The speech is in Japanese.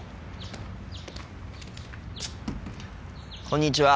こんにちは。